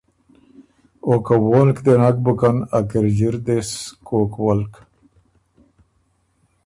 او که وونلک دې نک بُکن ا کِرݫی ر دې سو کوک ولک؟